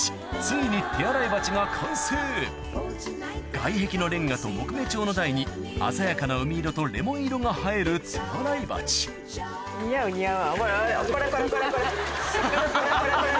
外壁のレンガと木目調の台に鮮やかな海色とレモン色が映える手洗い鉢似合う似合う。